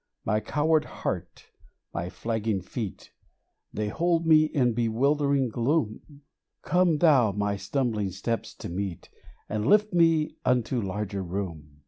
My coward heart, my flagging feet, They hold me in bewildering gloom : Come Thou my stumbling steps to meet, And lift me unto larger room